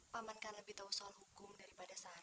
pak man kan lebih tahu soal hukum daripada sarah